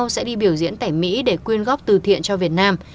sẽ đi biểu diễn tại mỹ để quyên góp từ thiện cho việt nam